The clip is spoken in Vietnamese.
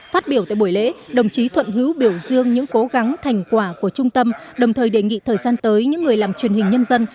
phát biểu tại buổi lễ đồng chí thuận hữu biểu dương những cố gắng thành quả của trung tâm đồng thời đề nghị thời gian tới những người làm truyền hình nhân dân